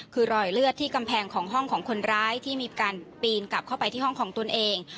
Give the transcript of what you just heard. คือรอยเลือดที่กำแพงของห้องของคนร้ายที่มีการปีนกลับเข้าไปที่ห้องของตนเอง